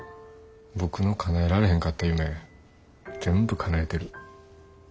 僕のかなえられへんかった夢全部かなえてる。